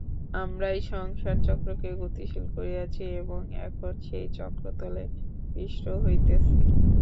আমরাই সংসার-চক্রকে গতিশীল করিয়াছি, এবং এখন সেই চক্রতলে পিষ্ট হইতেছি।